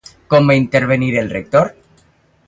Com va intervenir el Rector?